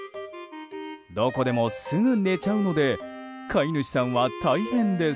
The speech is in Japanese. どこでもすぐ寝ちゃうので飼い主さんは大変です。